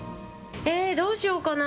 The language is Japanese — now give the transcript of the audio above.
どうしようかな。